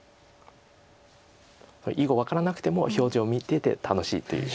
囲碁分からなくても表情見てて楽しいという。